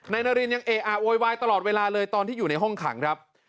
นายนารินค์ลังยังเอียกต่อรอยไว้ตลอดเวลาเลยตอนที่อยู่ในห้องขังครับ